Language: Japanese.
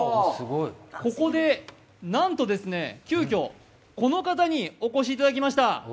ここでなんと、急遽この方にお越しいただきました。